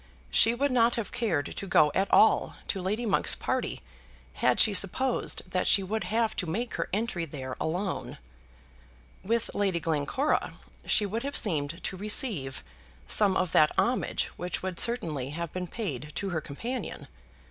She would not have cared to go at all to Lady Monk's party had she supposed that she would have to make her entry there alone. With Lady Glencora she would have seemed to receive some of that homage which would certainly have been paid to her companion.